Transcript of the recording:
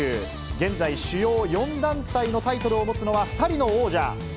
現在、主要４団体のタイトルを持つのは２人の王者。